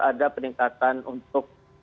ada peningkatan untuk